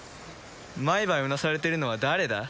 毎晩うなされてるのは誰だ？